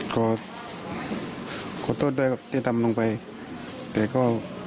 ก็ขอโทษด้วยกับเจ้าตำลงไปแต่ก็